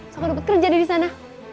sama dapat kerja deh disana